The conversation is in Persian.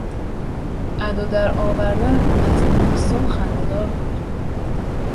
ادا درآوردن او از نیکسون خندهدار بود.